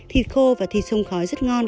thịt khô và thịt sông khói rất ngon